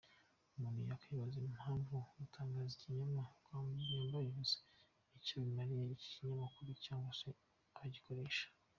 Umuntu yakwibaza impamvu gutangaza ibinyoma byambaye ubusa icyo bimariye iki kinyamakuru cyangwa se abagikoresha !